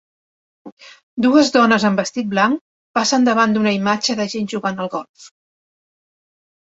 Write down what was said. Dues dones amb vestit blanc passen davant d'una imatge de gent jugant al golf.